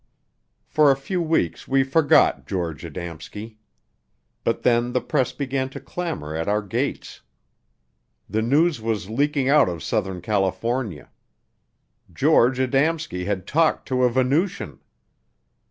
For a few weeks we forgot George Adamski. But then the press began to clamor at our gates. The news was leaking out of Southern California. George Adamski had talked to a Venusian!